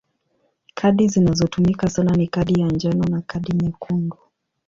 Kadi zinazotumika sana ni kadi ya njano na kadi nyekundu.